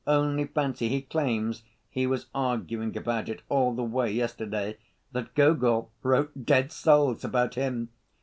Only fancy, he claims (he was arguing about it all the way yesterday) that Gogol wrote Dead Souls about him.